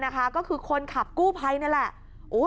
ก็คือคนขับกู้ภัยนั่นแหละ